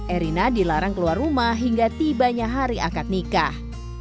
erina dilarang keluar rumah hingga tibanya hari akad nikah